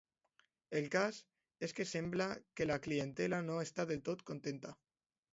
El cas és que sembla que la clientela no està del tot contenta.